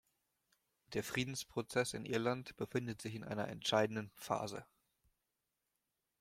Der Friedensprozess in Irland befindet sich in einer entscheidenden Phase.